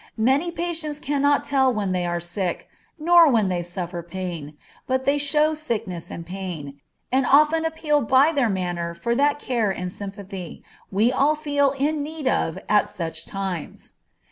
Many patients cannot tell when they are sick, nor when they suffer pain, but they show sickness and pain, and often appeal by their manner for that care and sympathy, we all feel in need of at such times.